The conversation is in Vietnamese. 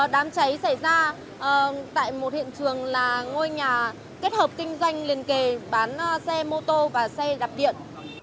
đám cháy xảy ra tại một hiện trường là ngôi nhà kết hợp kinh doanh liên kề bán xe mô tô và xe đạp điện